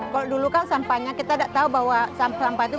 kalau dulu kan sampahnya kita gak tahu bahwa sampah itu berapa banyak